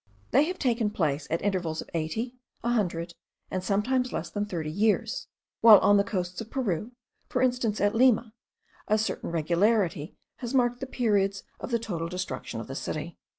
They have taken place at intervals of eighty, a hundred, and sometimes less than thirty years; while on the coasts of Peru, for instance at Lima, a certain regularity has marked the periods of the total destruction of the city.